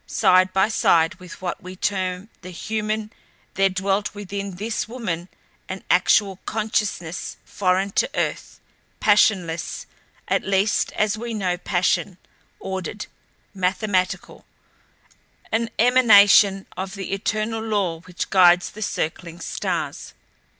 Side by side with what we term the human there dwelt within this woman an actual consciousness foreign to earth, passionless, at least as we know passion, ordered, mathematical an emanation of the eternal law which guides the circling stars.